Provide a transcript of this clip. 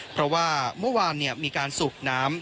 เพราะว่าเมื่อวานมีการสูบน้ำ